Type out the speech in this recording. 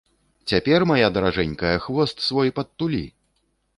Цяпер, мая даражэнькая, хвост свой падтулі!